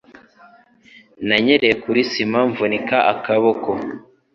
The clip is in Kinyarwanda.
Nanyereye kuri sima mvunika akaboko.